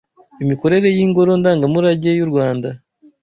imikorere y’ingoro ndangamurage y’urwanda